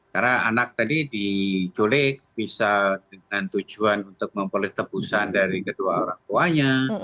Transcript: karena anak tadi diculik bisa dengan tujuan untuk memulih tebusan dari kedua orang tuanya